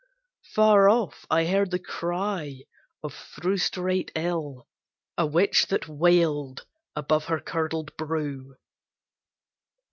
Far off, I heard the cry of frustrate ill A witch that wailed above her curdled brew.